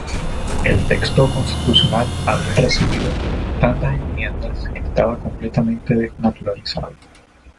El texto constitucional había recibido tantas enmiendas que estaba completamente desnaturalizado.